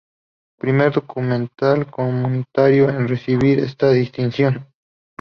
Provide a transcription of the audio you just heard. Primer documental comunitario en recibir esta distinción.